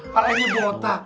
pak eni bota